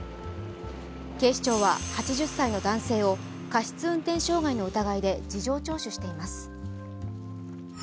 警視庁は８０歳の男性を過失運転傷害の疑いで事情聴取しています。